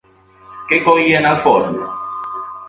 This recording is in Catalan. Què coïen al forn?